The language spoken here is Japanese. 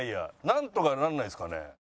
なんとかなんないですかね？